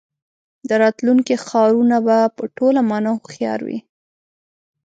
د راتلونکي ښارونه به په ټوله مانا هوښیار وي.